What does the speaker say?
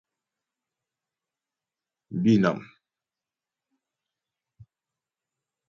Bînàm.